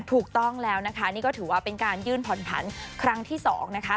ถูกต้องแล้วนะคะนี่ก็ถือว่าเป็นการยื่นผ่อนผันครั้งที่๒นะคะ